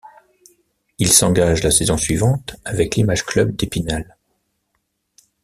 Il s'engage la saison suivante avec l'Image Club d'Épinal.